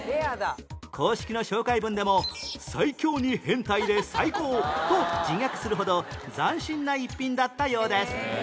公式の紹介文でも「最強に変態で最高」と自虐するほど斬新な一品だったようです